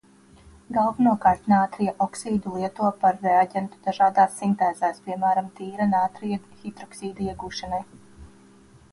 Galvenokārt nātrija oksīdu lieto par reaģentu dažādās sintēzēs, piemēram, tīra nātrija hidroksīda iegūšanai.